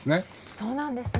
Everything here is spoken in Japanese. そうなんですね。